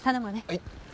はい。